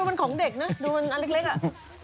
มันของเด็กนะดูมันอันเล็กอ่ะ